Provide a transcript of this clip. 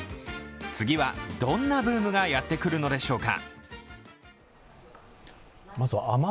次はどんなブームがやってくるのでしょうか？